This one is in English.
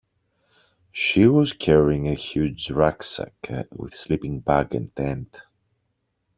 She was carrying a huge rucksack, with sleeping bag and tent